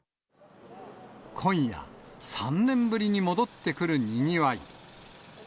今夜、３年ぶりに戻ってくるにぎわい。